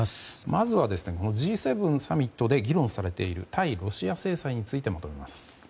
まずはＧ７サミットで議論されている対ロシア制裁についてまとめます。